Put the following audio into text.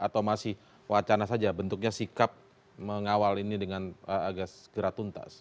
atau masih wacana saja bentuknya sikap mengawal ini dengan agak segera tuntas